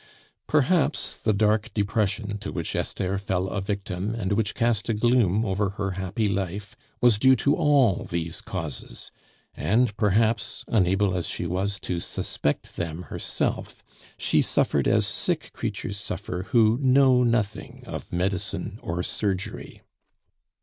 Perhaps the dark depression to which Esther fell a victim, and which cast a gloom over her happy life, was due to all these causes; and perhaps, unable as she was to suspect them herself, she suffered as sick creatures suffer who know nothing of medicine or surgery.